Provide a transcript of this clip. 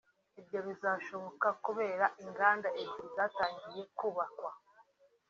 Ibyo bizashoboka kubera inganda ebyiri zatangiye kubakwa